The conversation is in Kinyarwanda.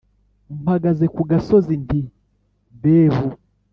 Mpagaze ku gasozi nti behu !